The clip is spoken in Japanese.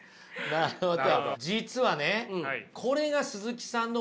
なるほど。